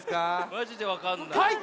マジでわかんない。